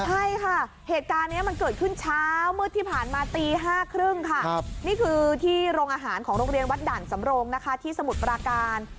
ใช่ค่ะเหตุการณ์นี้มันเกิดขึ้นเช้ามืดที่ผ่านมาตี๕๓๐ค่ะนี่คือที่โรงอาหารของโรงเรียนวัดด่านสำโรงนะคะที่สมุทรปราการ